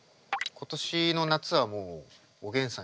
今年の夏はもうおげんさん